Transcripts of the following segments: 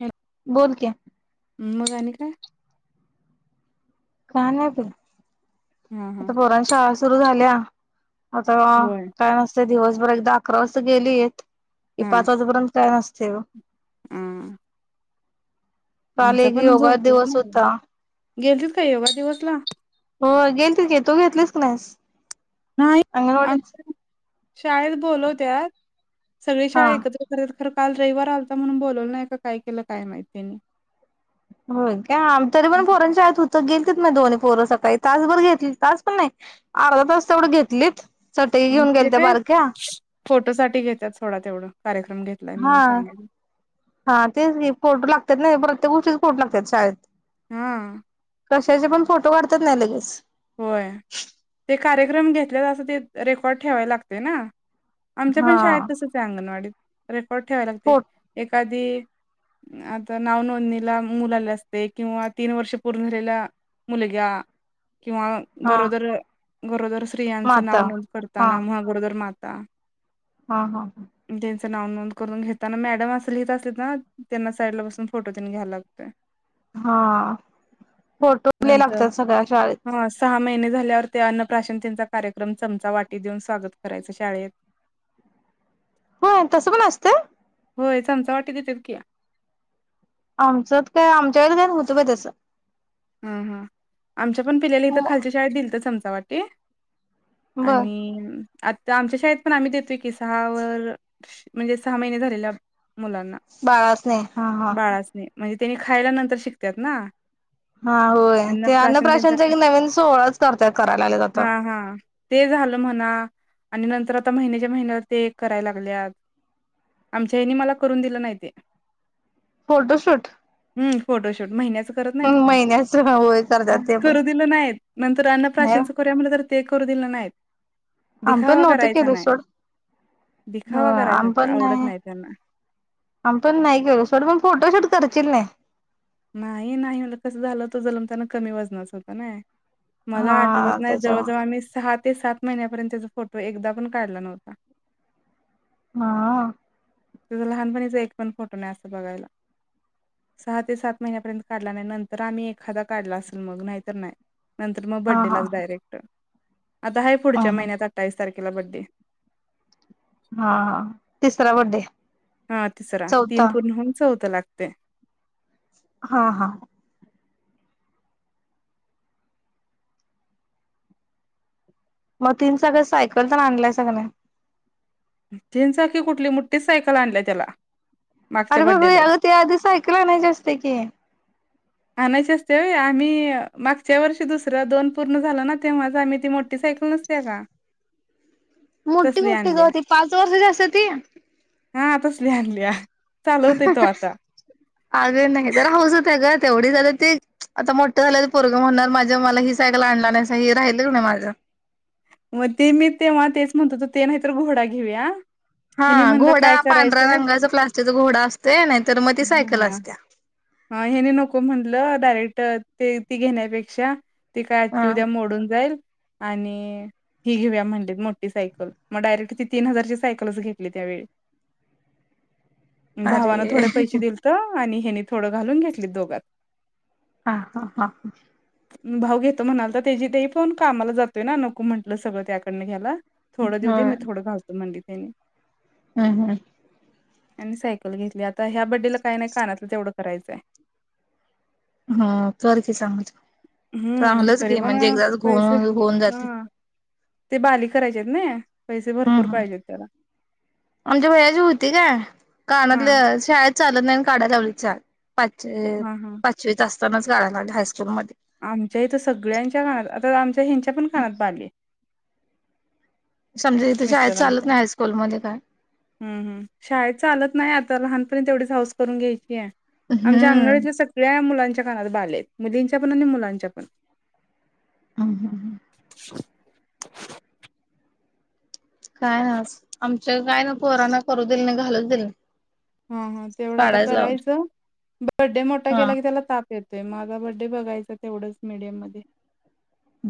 Hello बोल की मग आणि काय काय नाही बग हा हा आता पोरांची शाळा सुरू झाल्या आता होय काय नसत दिवसभर एकदा अकरा वाजता गेलीत ते पाच वाजेपर्यंत काय नसतय बग हम काल आमचा एक पण योगा झोपला दिवस नाही होता गेलतीत का योगा दिवस ला हो गेलतीत की तू घेतलीस काय नाहीस नाही अंगणवाडी आमच्या शाळेत बोलवत्यात सगळी हा शाळा एकत्र करत खर काल रविवार आलता म्हणून बोलवल नाही का काय केलं काय माहित त्यांनी होय का तरी पण पोरांच्या शाळेत होत तर गेलीत नाही दोन्ही पोरं सकाळी तासभर घेतली तास पण नाही अर्धा तास तेवढं घेतलीत चटई मग घेऊन ते गेलत्या काय बारक्या फोटो साठी घेतात सोडा तेवढं कार्यक्रम घेतलाय हा म्हणून सांगायला हा तेच की फोटो लागतात ना प्रत्येक गोष्टीच फोटो लागतात शाळेत हा कशाचे पण फोटो वाढतात नाही लगेच. होय ते कार्यक्रम घेतल्या असं ते रेकॉर्ड ठेवायला लागते ना. आमच्या पण हा शाळेत तसच आहे अंगणवाडीत, रेकॉर्ड ठेवाय लागतेय फोट एखादी. आता नाव नोंदणीला मुलाले असते किंवा तीन वर्ष पूर्ण झालेल्या मुलगा किंवा हा गरोदर, गरोदर स्त्रियांचं माता नाव नोंद करताना, म गरोदर माता हा हा हा त्यांचं नाव नोंद करून घेताना मॅडम असं लिहित असत ना त्यांना साईडला बसून फोटोतन घ्यायला लागतय. हा फोटो लय लागतात सगळ्या शाळेत. ह सहा महिने झाल्यावर, ते अन्नप्राशनतेचा कार्यक्रम चमचा वाटी देऊन स्वागत करायचं शाळेत. [inaudible] हा तसं पण असतं. होय चमचा वाटे देण्यात की. आमचं काय आमच्या व होतं का तसं. हा हा आमच्या पण पिल्याला इथं खालच्या शाळेत दिलंथ चमचा वाटी. बर आणि आता आमच्या शाळेत पण आम्ही देतोय की सहा वर म्हणजे सहा महिने झालेल्या. मुलांना बाळासनी हा हा बाळासनी म्हणजे त्यांनी खायला नंतर शिकतात ना. हा होय ते अन्न अन्नप्राशन प्राशन चा त्यांचा एक नवीन सोहळाच करत करायला लागलेत हा आता. हा ते झालं म्हणा आणि नंतर आता महिन्याच्या महिन्या ते कराय लागल्यात. आमच्या यांनी मला करून दिलं नाही ते. फोटोशूट हम फोटोशूट महिन्याच करत नाहीत का. महिन्याच होय करतात ते पण करू दिलं नाहीत नंतर नाही अन्नप्राशन करूया म्हणलं तर ते करू दिलं नाहीत. आम्ही पण दिखावा नव्हतं करायचा केलं नाही. सोड दिखावा करायचा तर आवडत नाही त्यांना. आमच पण नाही केल, सर्व फोटोशूट करतील ना. नाही नाही, म्हणजे कस झालं तो जलमतांना कमी वाजनाच होत ना. मला हा आठवत नाही त्याच्यामुळं जवळजवळ आम्ही सहा ते सात महिन्यापर्यंत त्याच फोटो. तो एकदा पण काढला नव्हता. हा तुझं लहानपणीचा एक पण फोटो नाही असं बघायला. सहा ते सात महिन्यापर्यंत काढला नाही, नंतर आम्ही एखादा काढला असेल, मग नाहीतर नाही. नंतर मग हा बर्थडे हा लाच डायरेक्ट. आता आहे अ पुढच्या हा महिन्यात अठ्ठावीस तारखेला बर्थडे. हा हा तिसरा बर्थडे. ह तिसरा, तीन पूर्ण होउन चौथा लागतोय. हा हा मग तीन सगळ सायकल पण आणलायसा नी तीन चाकी कुठली, मोठीच सायकल आणल्याय त्याला. मागच्या अरे बाबा, बड्डेलाच. याला ती आधी सायकल आणायची असते की. आणायची असत्या व्हय आम्ही मागच्या वर्षी दुसरं दोन पूर्ण झाल ना तेव्हाच आम्ही ती मोठी सा कल नसत्या का? मोठी तसली मोठी आणल्या ग ती पाच वर्षाची असत्या ती हा तसली आणल्या. चालवतोय तो आता अग नाही जरा हौस हुत्या ग तेवढीच आता ती आता मोठं झाल्याल पोरगं म्हणणार माझ्या मला ही सायकल आणला नाहीस हि राहिल कणी माझं. मग ते मी तेव्हा तेच म्हणत होतो ते नाही तर घोडा घेवूया. हा घोडा पांढऱ्या रंगाचा प्लास्टिकचा घोडा असतंय नाहीतर मग ती सायकल हा असत्या. हा हेनी नको म्हटलं डायरेक्ट ते ती घेण्यापेक्षा ती काय हा आजची उद्या मोडून जाईल. आणि ही घेऊया म्हणलीत मोठी सायकल म डायरेक्ट ती तीन हजारची सायकलच घेतली त्यावेेळी अरे भावान थोडं पैशे दिलत. आणि हेनी थोडं घालून घेतलीत दोघात. आ हा हा हा. भाऊ घेतो म्हणालता तर त्यजी त्य पण कामाला जातोय ना नको म्हटलं सगळं त्याकडन घ्यायला. थोड देउदे होय मी थोड घालतो म्हणलित हेणी हम्म हम्म. आणि सायकल घेतली आता ह्या बड्डेला काय नाही कानातलं तेवढं करायचंय. हा चर की सांगतो. हम्म चांगलंच तरी घे पण म्हणजे एकदाच घो पैसे होऊन जातय. हा ते बाली करायचीयेत नई हम्म हम्म आमच्या भैयाची हूती काय? कानातल हा शाळेत चालत नाही णून काढायला लावलीत चाल पाच हा हा पाचवीत अस हायस्कू आमच्या इथं सगळ्यांच्या कानात अ आता आमच्या हेंच्या पण कानात बालीय. समजा इथे शाळेत चालत मिस्टरांच्या नाही हायस्कूलमध्ये काय हम्म हम्म शाळेत चालत नाही आता लहानपणी तेवढीच हाऊस करून घ्यायची आमच्या हम्म अंगणवाडीतल सगळ्या मुलांच्या नात बाली येत मुलींच्या पण आणि मुलांच्या पण [unintelligible] काय आय आज आमच्या काय ना पोरांना करू दिलं नाही घालूच दिलं नाही. हा हा तेवढं आता काढायच लावल करायचं बड्डे मोठा हा केला की त्याला ताप येतोय माझा बड्डे बघायचा तेवढंच मीडियम मध्ये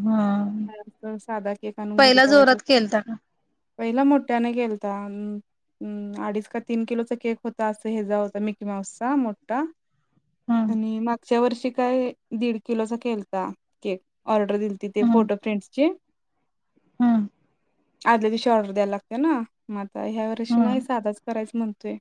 हा असं साधा केक आणून घरी पहिला कापायचा जोरात केलता का? पहिला मोठ्यानं केलता म म अडीच का तीन किलोचा केक होता असं हे जा होता मिकी माऊसचा मोठा हम्म आणि माग च्या वर्षी काय दीड किलोचा केलता केक ऑर्डर दिलती ते हम्म फोटो फ्रेंडसची हम्म आदल्या दिवशी ऑर्डर द्यायला लागत्या ना म आ ह्या वर्षी नाही हम्म साधाच करायच म्हणतोय.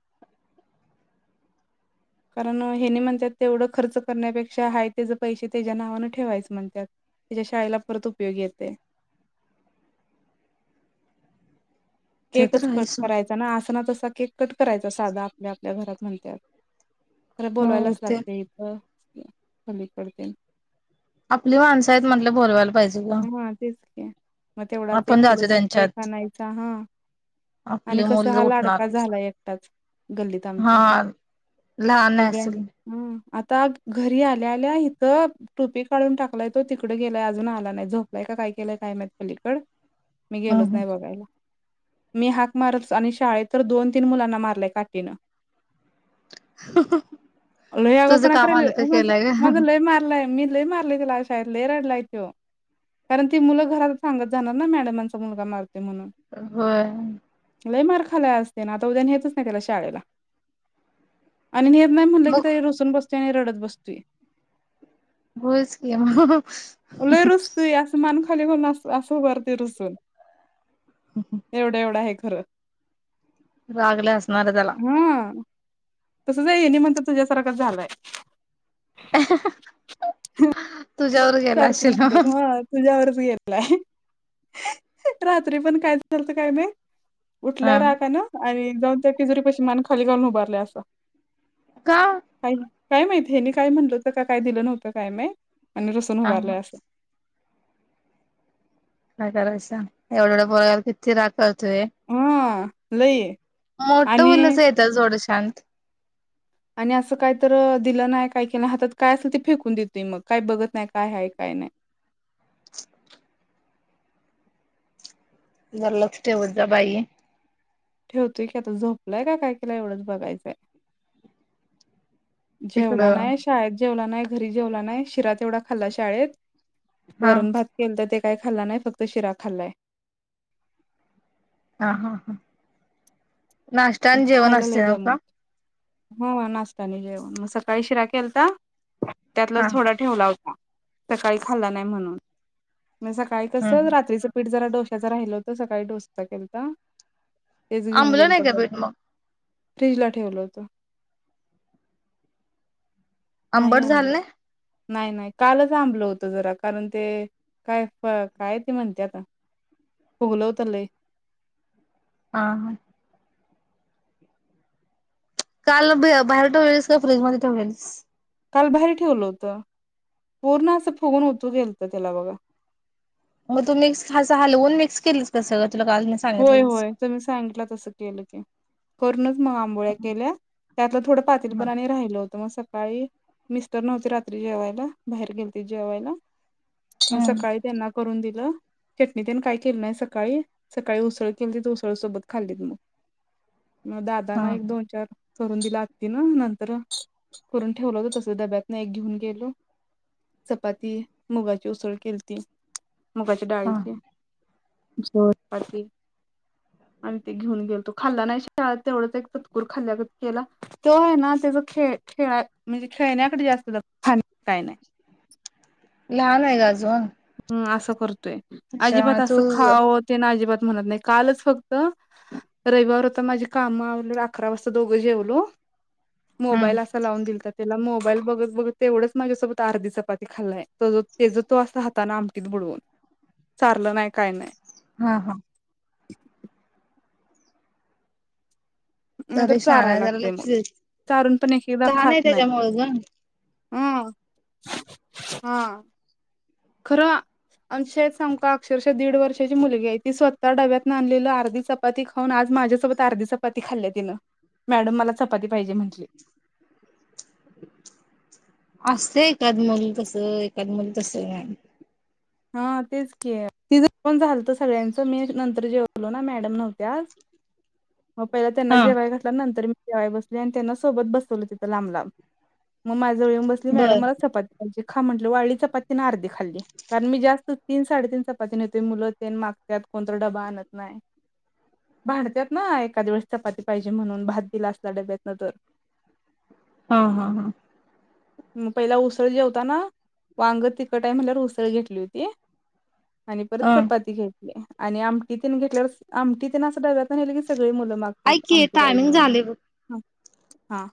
[inaudible] कारण हेनी म्हणत्यात तेवढं खर्च करण्यापेक्षा हाय त्यज पैशे त्यज्या नावानं ठेवायच म्हणत्यात. त्यज्या शाळेला परत उपयोगी येतंय. ते तर केकच आहेच कट सोड करायचा ना अस ना तसा केक कट करायचा साधा आपल्या आपल्या घरात म्हणत्यात. खरं हो बोलवायलाच ते लागतय इथं कमी पडतय. आपली माणसं आहेत म्हटल बोलवायला पाहिजे ग हा तेच की मग तेवढाच एक आपण जायचो किलोचा केक त्यांच्यात आणाायचा हा आणि आपले कस मुल हा लाडका उठणार झाला एकटाच गल्लीत आमच्या हा लहान सगळ्यां असेल हम्म आत ता घरी आल्या आल्या हित टोपी काढून टाकलाय तो तिकड गेलाय अजून आला नाही ब झोपलाय का काय केलाय काय माहित पलीकड मी हम् गेलोच हम नाही बघायला. मी हाक मारतच आणि शाळेत तर दोन तीन मुलांना मारलंय काठीनं लय तुझं आगवपणा काम कराल हलक ओ माझ केलंय का माझं लय मारलाय मी लय मारलय त्याला आज शाळेत लय रडलाय तो कारण ती मुलं घरात सांगत जाणार ना मॅडमांचा मुलगा मारते म्हणून होय लई मार खाल्लाय आज त्यानं आता उद्या नेतच नाही त्याला शाळेला आणि नेेत नाही म्हणलं की मग तरी रुसून बस्तुय आणि रडत बस्तुय होइचकी मग लय रुस तुय अस मान खाली घालून अस अस उभारतोय रुसून एवढं एवढं आहे खरं रागले असणारार त्याला हा तसंच ये नाही म्हणत तुझ्यासारखंच झालंय तुझ्यावर गेला सारखं असेल माणत हा ह तुझ्यावर य रात्री पण काय चालत काय नाही उठलाय राहा का ना आणि जाऊन त्या किजुरी पशी मान खाली घालून उभारला असं का काय काय माहित हे काय म्हणलं होत का काय दिलं नव्हतं काय माहि आणि रसून हा उभारलंय असं रा एवढ ए किती करतोय ल मोठं उलस येतात जोड शत आणि असं काय तर दिलं नाही काय के नाही हातात काय असेल ते फेकून देतोय मग काय बघत नाही काय आहे काय नाही [unintelligible] [unintelligible] जर लच ठेवत जा बाई ठेवतोय की आता झोपलाय का काय केला एवढंच बघायचंय जेवला तिकडं नाही शाळेत जेवला नाही घरी जेवला नाही शिरा तेवढा खाल्ला शाळेत हा वरण भात केलं तर ते काय खाल्लं नाही फक्त शिरा खाल्लाय हा हा हा नाश्तता आणि जेवण खायला असते लई न दम का हो नाचतानी जेवण मग सकाळी शिरा केलता त्यातला हा थोडा ठेवला होता सकाळी खाल्ला नाही म्हणून म सकाळी कस हम्म हम्म रात्रीचं पीठ जरा डोश्याच राहिल होत सकाळी डोसचा केलता तेच घेऊन आंबलं गेलतो नाही का बीट मग फ्रीज ला ठेवलं होतं नाही अंबट झाल आंबलं ना नाही नाही कालच आंबलं होत जरा कारण ते काय काय ते म्हणते आता होगल हो तले आ हा काल बाहेर ठेवलेलीस का फ्रीजमध्येध्ये ठेवलेलीस काल बाहेर ठेवलं होत पूर्ण असं फुगून होत गेलत त्याला बघा मग तू मिक्स हं हलवून मिक् केलीस कसं होय होय त मी सांगितलं तसं केलं की करणच मग आंबोळ्या हा केल्या त्यात थोडं पातीलपराने राहिल होतं तर मग सकाळी मिस्तर नव्हती रात्री जेवायला बाहेर गेल ते जेवायला मग हम्म सकाळी त्यांना करून दिलं चटणी त्यांनी काय केलं नाही सकाळी सकाळी उसळ केली त तर उसळ सोबत खाल्लीत मग म हा दादाना एक दोन चार करून दिला आती ना नंतर करून ठेवलं तर तस डब्यातन एक घेऊन गेलो चपाती मुगाची उसळ केली ती मुगाची हा डाळीची जोरपाती आणि ते घेऊन गेल तो खाल्ला नाही शिळा तेवढच एक चतकूर खाल्ल्या केला तो आहे ना खळ खेळा म्हणजे खेळण्याकडे जास्त काही नाही लहान आहे ग अजून तोय त्याच्यामुळे अजिबात अस तू खा अजिबात म्हणत नाही कालच फक्त रविवार होता माझी काम अकरा वाजता दोघं जेवलो हम्म मोबाईल अस लावून दिलता त्याला मोबाइल बघत बघत तेवढंच माझ्यासोबत अधीॅ चपाती खल्लाय ते तो अस ताना आमटीत बुडवून चारलं नाही काय नाही हा हा नाही तर तरी शहाणा चारायला आहे जरा लागतेय मग लक्ष दे चारून पण एक एकदा लहान खात आहे नाही त्याच्यामुळे ग हम हा खरं आमशच आम अक्षरशः दीड वर्षाची मुलगी आहे ती स्वतः डब्यातून आणलेली अर्धी चपाती खाऊन आज माझ्यासोबत अर्धी चपाती खाल्ली तिनं मॅडम मला चपाती पाहिजे म्हटली असते एखकाद मुल कसं एखकाद मुल तस नाही हा तेच कि तिच जर पण झालत सगळ्यांचं मी नंतर जेवलो ना मॅडम नव्हत्या आज [inaudible] मग पहिला त्यांना हा जेव्हाय घातल नंतर मी जेवाय बसली आणि त्यांना सोबत बसवलं तिथं लांब लांब मग माझ्या वेळून बसली मॅडम बर मला चपाती ख्यायची खा म्हटलं वाढली चपातीने अर्धी खाल्ली कारण मी जास्त तीन साडेतीन चपाती नेतोय मुल ते माग त्यात कोणता डबा आणत नाही भांडत्यात ना एखाद वेळेस चपाती पाहिजे म्हणून भात दिला असला डब्यातन तर [inaudible] हा हा हा म पहिला उसळ जेवताना वांग तिकट आहे म्हटल्यावर उसळ घेतली होती आणि परत अ चपाती घेतली आणि आमटी तेन घेतल्यावर आमटीतन असं डब्यात नेलं की स मुलं ऐक मागत्यात की आमटी पाहिजे टायमिंग म्हणून झाले बघ हा